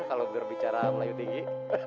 kalo bener bicara melayu tinggi